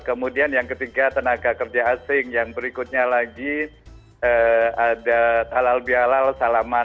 kemudian yang ketiga tenaga kerja asing yang berikutnya lagi ada talal bialal salaman